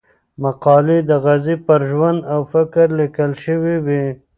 مقالې د غازي پر ژوند او فکر ليکل شوې وې.